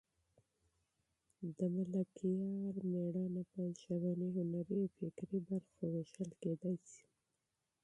د ملکیار سبک په ژبني، هنري او فکري برخو وېشل کېدای شي.